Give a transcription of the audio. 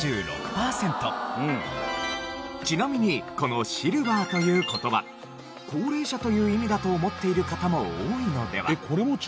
ちなみにこの「シルバー」という言葉「高齢者」という意味だと思っている方も多いのでは？